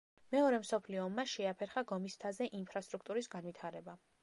მეორე მსოფლიო ომმა შეაფერხა გომისმთაზე ინფრასტრუქტურის განვითარება.